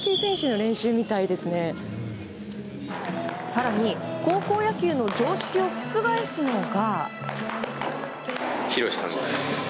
更に高校野球の常識を覆すのが。